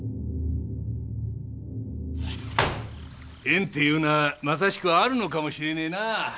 縁っていうのはまさしくあるのかもしれねえなあ。